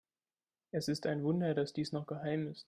Es ist ein Wunder, dass dies noch geheim ist.